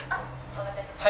お待たせしました。